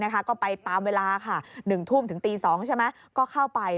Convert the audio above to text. ก็ไปตามเวลา๑ทุ่มถึงตี๒ก็เข้าไป